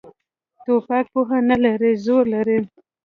توپک پوهه نه لري، زور لري.